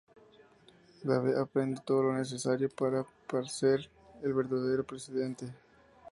Dave aprende todo lo necesario para parecer el verdadero presidente.